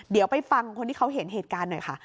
เดี๋ยวไปฟังคนที่เขาเห็นเหตุการณ์หน่อยค่ะ